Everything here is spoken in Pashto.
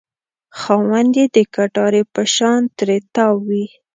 خاوند یې د کټارې په شان ترې تاو وي.